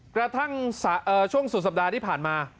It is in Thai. กระทั่งช่วงสุดสัปดาห์ที่ผ่านมา